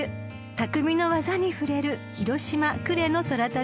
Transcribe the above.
［匠の業に触れる広島呉の空旅です］